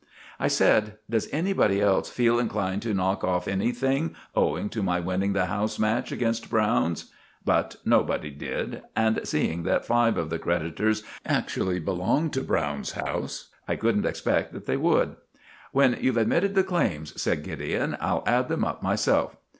I said, "Does anybody else feel inclined to knock off anything owing to my winning the house match against Browne's?" But nobody did, and seeing that five of the creditors actually belonged to Browne's house I couldn't expect that they would. "When you've admitted the claims," said Gideon, "I'll add them up myself."